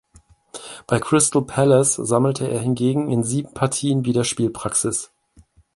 Bei Crystal Palace sammelte er hingegen in sieben Partien wieder Spielpraxis.